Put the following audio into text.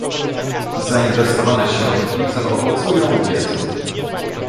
zainwestowane środki zaowocują wiedzą